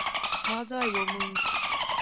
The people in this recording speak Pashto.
ما ځای وموند